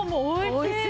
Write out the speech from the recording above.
おいしい！